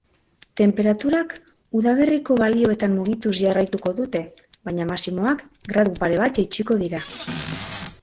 Tenperaturak udaberriko balioetan mugituz jarraituko dute baina maximoak gradu pare bat jaitsiko dira.